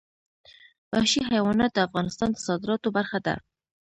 وحشي حیوانات د افغانستان د صادراتو برخه ده.